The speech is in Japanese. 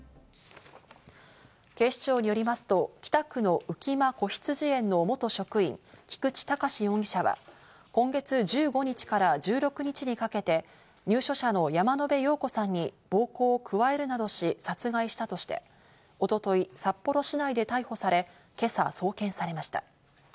警視庁によりますと北区の浮間こひつじ園の元職員、菊池隆容疑者は今月１５日から１６日にかけて、入所者の山野辺陽子さんに暴行を加えるなどし殺害したとして、一昨日、札幌市内で逮捕され、今朝送検されました。